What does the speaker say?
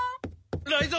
雷蔵！